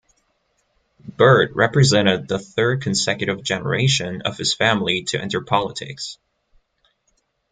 Byrd represented the third consecutive generation of his family to enter politics.